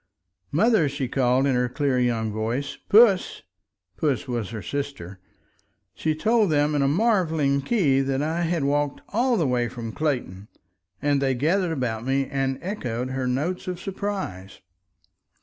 "Mother!" she called in her clear young voice. "Puss!" Puss was her sister. She told them in a marveling key that I had walked all the way from Clayton, and they gathered about me and echoed her notes of surprise.